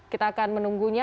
kita akan menunggunya